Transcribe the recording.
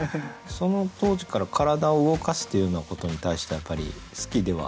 その当時から体を動かすというようなことに対してはやっぱり好きではあったんですか？